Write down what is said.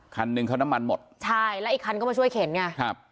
คันหนึ่งเขาน้ำมันหมดใช่แล้วอีกคันก็มาช่วยเข็นไงครับ